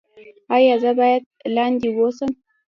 ایا زه باید لاندې اوسم؟